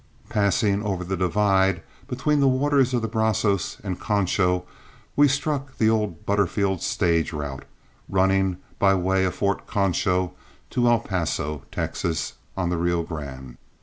Passing over the divide between the waters of the Brazos and Concho, we struck the old Butterfield stage route, running by way of Fort Concho to El Paso, Texas, on the Rio Grande.